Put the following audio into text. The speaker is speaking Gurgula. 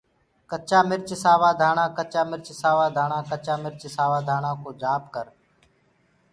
ڪچآ مِرچ سوآ ڌآڻآ ڪچآ مِرچ سآوآ ڌآڻآ ڪچآ مِرچ سآوآ ڌآڻآ ڪو جآپ ڪرو۔